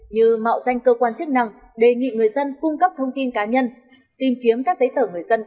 như mạo danh cơ quan chức năng đề nghị người dân cung cấp thông tin cá nhân tìm kiếm các giấy tờ người dân